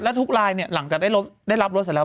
แล้วทุกลายเนี่ยหลังจากได้รับรถเสร็จแล้ว